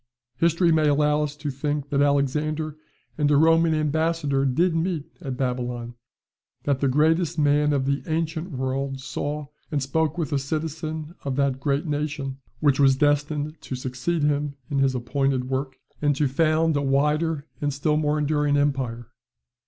History may allow us to think that Alexander and a Roman ambassador did meet at Babylon; that the greatest man of the ancient world saw and spoke with a citizen of that great nation, which was destined to succeed him in his appointed work, and to found a wider and still more enduring empire.